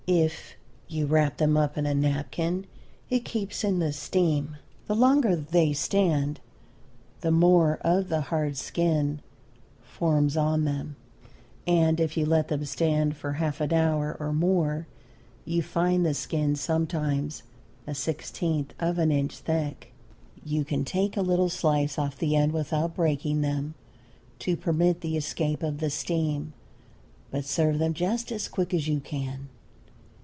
If you wrap them up in a napkin it keeps in the steam. The longer they stand, the more of the hard skin forms on them, and if you let them stand for half an hour or more you find the skin sometimes a sixteenth of an inch thick. You can take a little slice off the end without breaking them, to permit the escape of the steam. But serve them just as quick as you can.